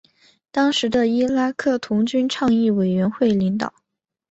当时的伊拉克童军倡议委员会领导。